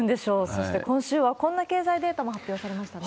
そして今週はこんな経済データも発表されましたね。